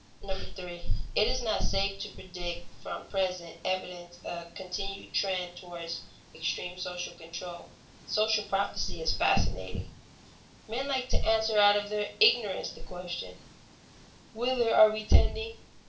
[Sidenote: Unripe social philosophy] 3. It is not safe to predict from present evidence a continued trend toward extreme social control. Social prophecy is fascinating. Men like to answer out of their ignorance the question, Whither are we tending?